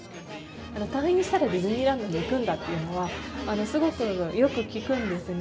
退院したらディズニーランドに行くんだっていうのは、すごくよく聞くんですね。